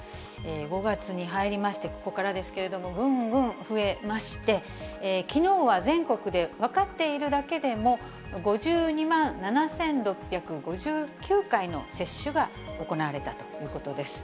５月に入りまして、ここからですけれども、ぐんぐん増えまして、きのうは全国で分かっているだけでも５２万７６５９回の接種が行われたということです。